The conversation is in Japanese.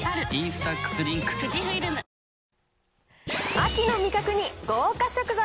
秋の味覚に豪華食材。